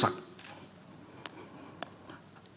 dan kemampuan untuk membuat kemampuan